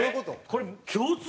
これ。